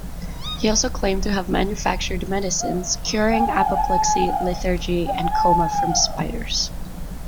He also claimed to have manufactured medicines curing apoplexy, lethargy and coma from spiders.